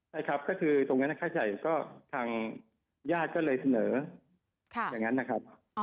ใช่ครับก็คือตรงนั้นค่าใช้จ่ายก็ทางญาติก็เลยเสนออย่างนั้นนะครับ